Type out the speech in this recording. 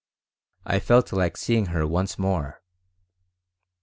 I felt like seeing her once more.